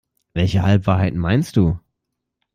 Welche Halbwahrheiten meinst du?